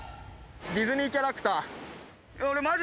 ディズニーキャラクター。